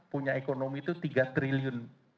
punya ekonomi itu tiga triliun